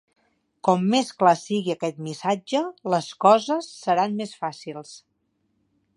Com més clar sigui aquest missatge, les coses seran més fàcils.